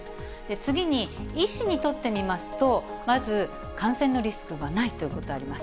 次に、医師にとってみますと、まず、感染のリスクがないということがあります。